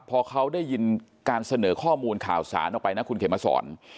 พอเขาได้ยินการเสนอข้อมูลข่าวสารออกไปนะคุณเขมสอน